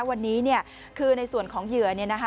วันนี้คือในส่วนของเหยื่อ